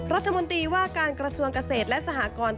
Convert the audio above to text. รัฐมนตรีว่าการกระทรวงเกษตรและสหกร